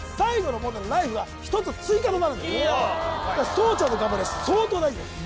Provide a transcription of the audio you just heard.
蒼ちゃんの頑張りは相当大事です